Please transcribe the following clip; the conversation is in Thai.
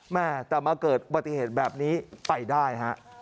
แต่มาเกิดปฏิเหตุแบบนี้ไปได้